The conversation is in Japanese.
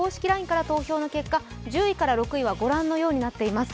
ＬＩＮＥから投票の結果１０位から６位まではご覧のようになっています。